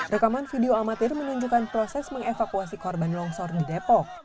rekaman video amatir menunjukkan proses mengevakuasi korban longsor di depok